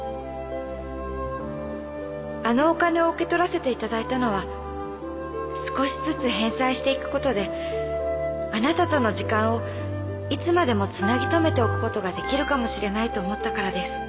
「あのお金を受け取らせていただいたのは少しずつ返済していくことであなたとの時間をいつまでもつなぎ留めておくことができるかもしれないと思ったからです。